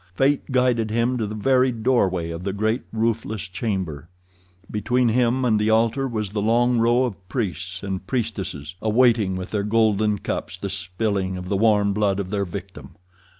Fate guided him to the very doorway of the great roofless chamber. Between him and the altar was the long row of priests and priestesses, awaiting with their golden cups the spilling of the warm blood of their victim.